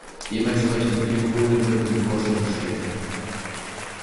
Dementsprechend viel Kohle wird in Forschung gesteckt.